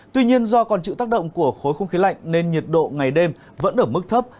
tuy nhiên do còn chịu tác động của khối không khí lạnh nên nhiệt độ ngày đêm vẫn ở mức thấp